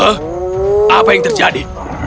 huh apa yang terjadi